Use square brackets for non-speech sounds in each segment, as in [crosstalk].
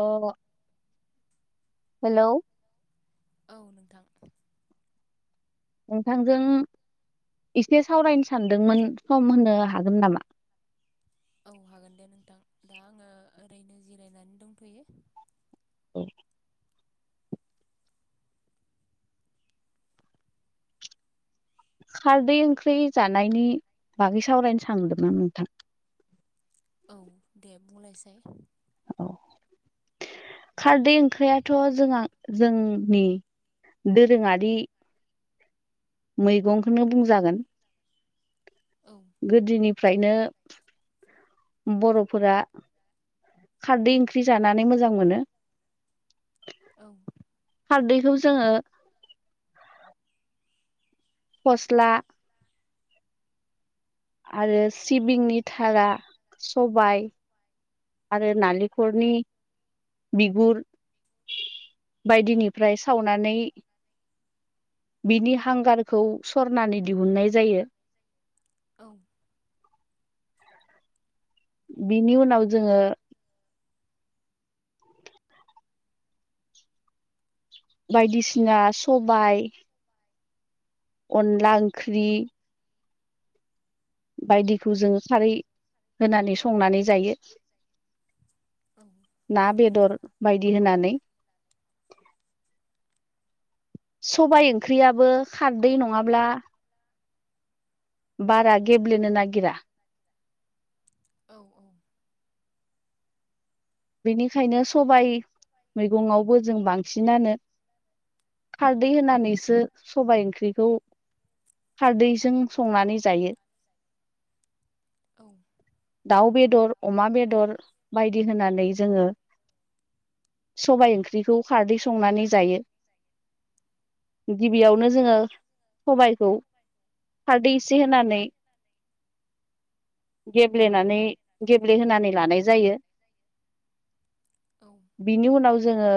अ र' हेलौ औ नोंथां नोंथांजों एसे सावरायनो सानदोंमोन सम होनो हागोन नामा औ हागोन दे नोंथां दा आङो ओरैनो जिरायनानै दंथयो [unintelligible] खारदै ओंख्रि जानायनि बागै सावरायनो सानदों नोंथां औ दे बुंनायसाय औ खारदै ओंख्रियाथ' जोंहा जोंनि दोरोङारि मैगंखौनो बुंजागोन औ गोदोनि फ्रायनो बर'फोरा खारदै ओंख्रि जानानै मोजां मोनो औ खारदैखौ जोङो फस्ला आरो सिबिंनि थारा सबाय आरो नालेंखलनि बिगुर बायदिनिफ्राय सावनानै बिनि हांगारखौ सरनानानै दिहुननाय जायो। औ। बिनि उनाव जोङो बायदिसिना सबाय अनला ओंख्रि बायदिखौ जोङो खारै होनानै संनानै जायो। औ ना बेदर बायदि होनानै सबाय ओंख्रियाबो खारदै नङाब्ला बारा गेब्लेनो नागिरा। औ। बेनिखायनो सबाय मैगंआवबो जों बांसिनानो खारदै होनानैसो सबाय ओंख्रिखौ खारदैजों संनानै जायो। औ दाउ बेदर अमा बेदर बायदि होनानै जोङो सबाय ओंख्रिखौ खारदै संनानै जायो। गिबियावनो जोङो सबायखौ खारदै एसे होनानै गेबेनानै गेब्लेहोनानै लानाय जायो। औ बिनि उनाव जोङो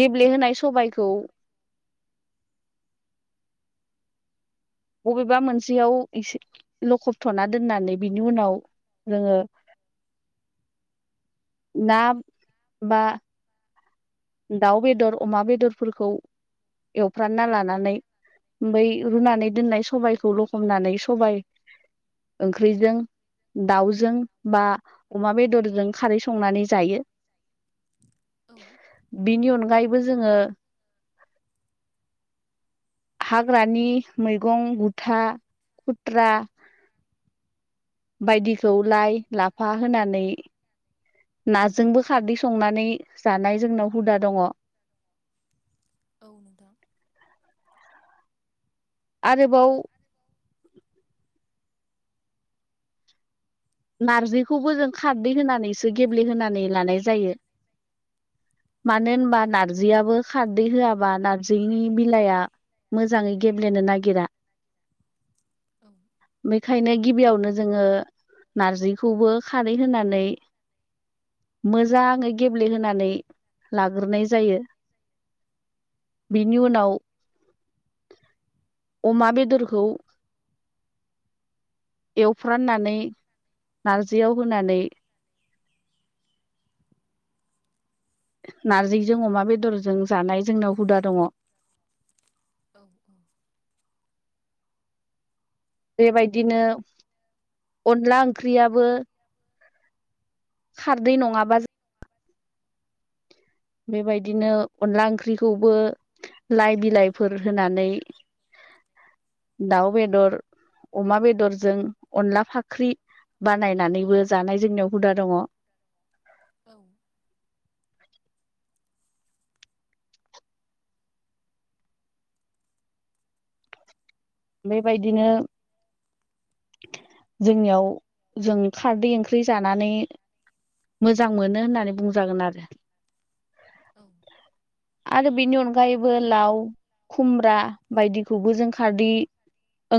गेब्लेहोनाय सबायखौ बबेबा मोनसेयाव एसे लखबथ'ना दोननानै बिनि उनाव जोङो ना बा दाउ बेदर अमा बेदरफोरखौ एवफ्रानना लानानै ओमफ्राय रुनानै दोननाय सबायाइखौ लखमनानै सबाय ओंख्रिजों दाउजों बा अमा बेदरजों खारै संनानै जायो। [inaudible] बिनि अनगायैबो जोङो हाग्रानि मैगं गुथा खुथ्रा बायदिखौ लाइ लाफा होनानै नाजोंबो खारदै संनानै जानाय जोंनाव हुदा दङ। औ नोंथां। आरोबाव नारजिखौबो जों खारदै होनानैसो गेब्लेहोनानै लानाय जायो। मानो होनबा औ नारजियाबो। खारदै होआबा नार्जिनि बिलाइआ मोजाङै गेब्लेनो नागिरा। औ बेखायनो गिबियावनो जोङो नारजिखौबो खारै होनानै मोजाङै गेब्लेहोनानै लाग्रोनाय जायो। बिनि उनाव अमा बेदरखौ एवफ्राननानै नारजियाव होनानै नारजिजों अमा बेदरजों जानाय जोंनाव हुदा दङ। औ। बेबायदिनो अनला ओंख्रियाबो खारदै नङाबा बेबायदिनो अनला ओंख्रिखौबो लाइ बिलाइफोर होनानै दाउ बेदर अमा बेदरजों अनला फाख्रि बानायनानैबो जानाय जोंनियाव हुदा दङ औ बेबायदिनो जोंनियाव जों खारदै ओंख्रि जानानै मोजां मोनो होननानै बुंजागोन आरो औ आरो बेनि अनगायैबो लाव खुमब्रा बायदिखौबो जों खारदि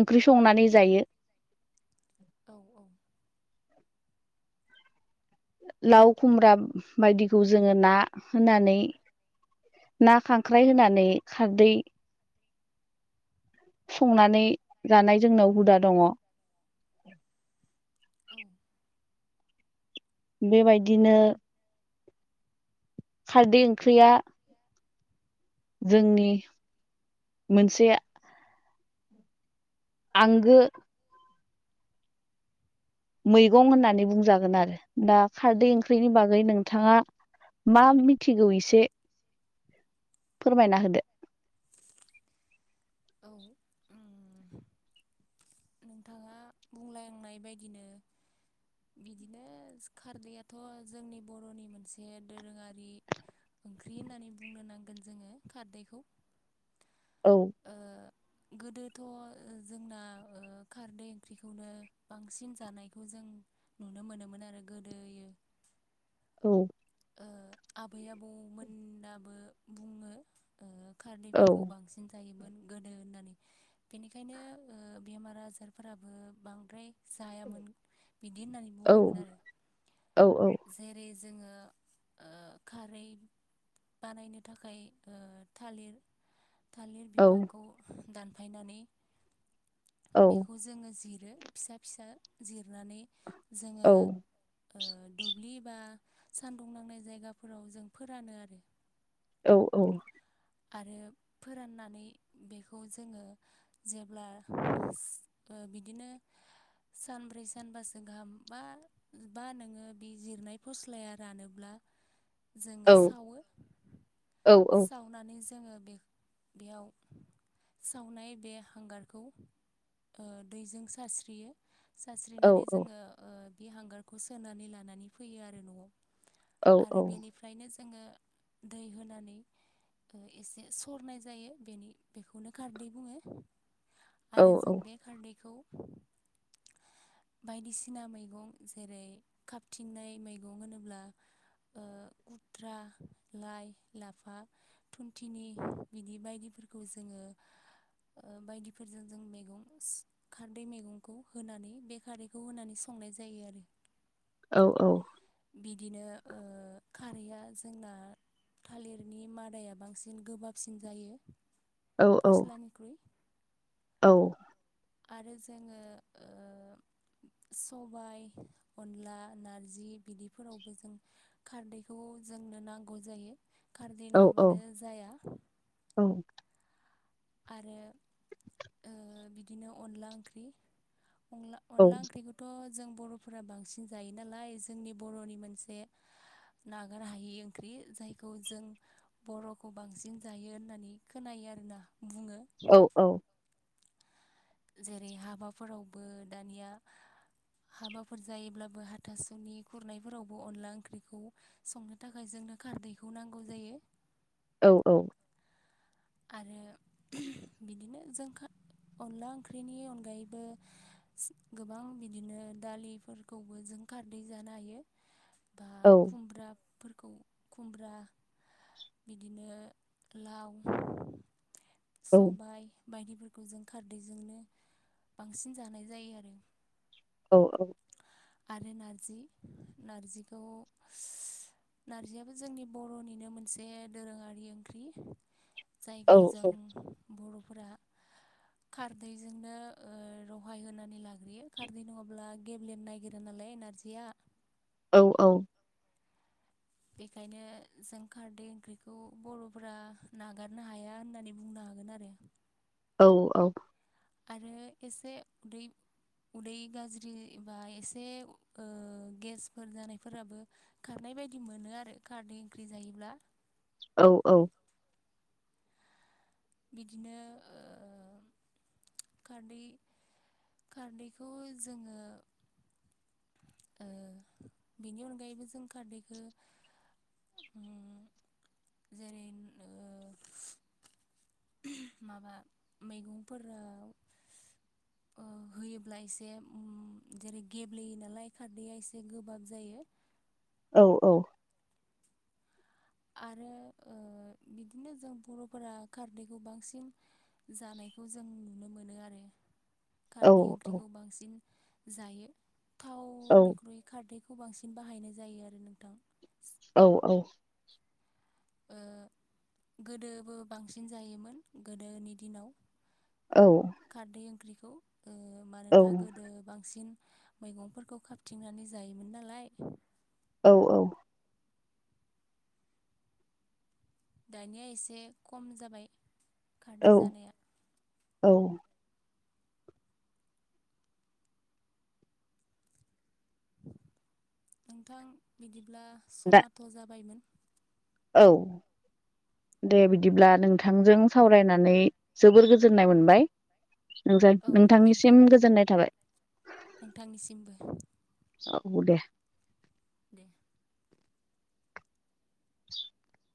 ओंख्रि संनानै जायो औ औ लाव खुमब्रा बायदिखौ जोङो ना होनानै ना खांख्राइ होनानै खारदै संनानै जानाय जोंनाव हुदा दङ [unintelligible] बेबायदिनो खारदै ओंख्रिया जोंनि मोनसे आंगो मैगं होननानै बुंजागोन आरो दा खारदै ओंख्रिनि बागै नोंथाङा मा मिथिगौ इसे फोरमायना होदो औ नोंथाङा बुंलांनाय बायदिनो बिदिनो खारदैयाथ' जोंनि बर'नि मोनसे दोरोङारि ओंख्रि होननानै बुंनो नांगोन जोङो खारदैखौ औ ओ गोदोथ' जोंना ओ खारदै ओंख्रिखौनो बांसिन जानायखौ जों नुनो मोनोमोन आरो गोदोयो [inaudible] ओ आबै आबौमोनाबो बुङो औ खारदैफोरखौ बांसिन जायोमोन गोदो होननानै बेनिखायनो बेमार आजारफोराबो बांद्राय जायामोन बिदि होननानै बुङोमोन आरो औ जेरै जोङो ओ खारै बानायनो थाखाय ओ थालिर थालिर औ बिफांखौ दानफायनानै औ बेखौ जोङो जिर रो फिसा फिसा जिरनानै जोङो औ ओ दुब्लि बा सानदुं नांनाय जायगाफोराव जों फोरानो आरो औ औ आरो फोराननानै बेखौ जोङो जेब्ला [unintelligible] बिदिनो सानब्रै सानबासो गाहाम बा बा नोङो बे जिरनाय फस्लाया रानोब्ला [inaudible] जोङो औ सावो औ साव वो जोङो बे बेयाव सावनाय बे हांगारखौ ओ दैजों सारस्रियो सास्रिनानै जोङो ओ बे हांगारखौ सोनानै लानानै फैयो आरो न'आव औ आरो औ बेनिफ्रायनो जोङो दै होनानै ओ एसे सरनाय जायो बेनि बेखौनो खारदै बुङो औ आरो औ जों बे खारदैखौ [inaudible] बायदिसिना मैगं जेरै खाबथिंनाय मैगं होनोब्ला गुद्रा लाइ लाफा थुनथिनि बिदि बायदिफोरखौ जोङो बायदिफोरजों जों मैगं खारदै मैगंखौ होनानै बे खारदैखौ होनानै सं नाय जायो आरो। औ औ। बिदिनो खारैआ जोंना थालिरनि मादायाबो बांसिन गोबाबसिन जायो औ औ फस्लानिख्रुइ औ। आरो जोङो ओ सबाय अनला नारजि बिदिफोरावबो जों खारदैखौ जोंनो नांगौ जायो खारदै औ नङाबानो जाया औ। आरो बिदिनो अनला ओंख्रि अनला औ अनला ओंख्रिखौथ' जों बर'फोरा बांसिन जायो नालाय जोंनि बर'नि मोनसे नागार हायि ओंख्रि जायखौ जों बर'खौ बांसिन जायो होननानै खोनायो। केरेला। औ औ। जेरै हाबाफोरावबो दानिया हाबाफोर जायोब्लाबो हाथासु'नि खुरनायफोरावबो अनला ओंख्रिखौ संनो थाखाय जों जोंनो खारदैखौ नांगौ जायो औ औ। आरो बिदिनो जोंखा अनला ओंख्रिनि अनगायैबो गोबां बिदिनो दालिफोरखौबो जों जों खारदै जानो हायो [inaudible] बा खुमब्रा फोरखौ खुमब्रा बिदिनो लाव औ सबाइ, बायदिफोरखौ जों खारदैजोंनो बांसिन जानाय जायो आरो। औ औ आरो नारजि नारजिखौ नारजियाबो जोंनि बर'निनो मोनसे दोरोङारि ओंख्रि। जायखौ जों बर'फोरा खारदैजोंनो रहाय होनानै लाग्रोयो खारदै नङाब्ला गेब्लेनो नागिरा नालाय नारजिया औ औ बेखायनो जों खारदै ओंख्रिखौ बर'फोरा नागारनो हाया होननानै बुंनो हायो। हागोन आरो औ औ आरो एसे उदै उदै गाज्रि बा एसे ओ गेसफोर जानायफोराबो खारनाय बेबायदि मोनो आरो खारदै ओंख्रि जायोब्ला औ औ बिदिनो ओ खारदै खारदैखौ जोङो ओ [inaudible] बेनि अनगायैबो जों खारदैखौ उम जेरै ओ माबा मैगंफोराव ओ होयोब्ला एसे उम जेरै गेब्ले गब्लेयो नालाय खारदैया एसे गोबाब जायो। औ औ। आरो ओ बिदिनो जों बर'फोरा खारदैखौ बांसिन जानाय बेखौ जों नुनो मोनो आरो। खारदै ओंख्रिखौ बांसिन जायो थावनिख्रुइ खारदैखौ खौ बांसिन बाहायनाय जायो आरो नोंथां। औ औ। ओ गोदोबो बांसिन जायोमोन गोदोनि दिनाव। खारदै ओंख्रिखौ ओ मानोना गोदो बांसिन मैगंफोरखौ खाबथिंनानै जायोमोन नालाय। औ औ। दानिया एसे खम जाबाय खारदै औ जानाया। औ। नोंथां बिदिब्ला दा समाथ' जाबायमोन। औ। दे बिदिब्ला नोंथांजों सावरायनानै जोबोर गोजोननाय मोनबाय। नोंथां औ नोंथांनिसिम नोंथांनि गोजोननाय थाबाय [inaudible] नोंथांनिसिमबो। औ दे। दे। [inaudible]